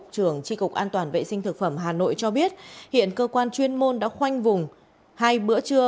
trưởng tri cục an toàn vệ sinh thực phẩm hà nội cho biết hiện cơ quan chuyên môn đã khoanh vùng hai bữa trưa